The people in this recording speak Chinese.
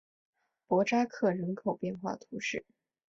博扎克人口变化图示